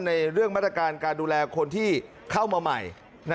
ในเรื่องมาตรการการดูแลคนที่เข้ามาใหม่